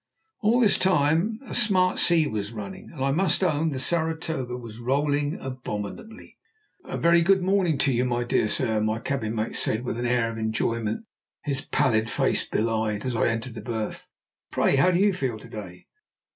All this time a smart sea was running, and, I must own, the Saratoga was rolling abominably. "A very good morning to you, my dear sir," my cabin mate said, with an air of enjoyment his pallid face belied, as I entered the berth. "Pray how do you feel to day?"